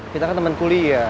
kita kan temen kuliah